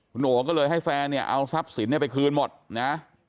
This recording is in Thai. คุณโอก็เลยให้แฟนเนี่ยเอาทรัพย์สินเนี่ยไปคืนหมดนะ